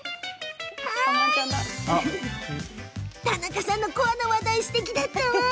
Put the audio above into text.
田中さんのコアな話題すてきだった。